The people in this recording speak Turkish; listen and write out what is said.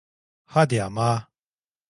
Hadi ama!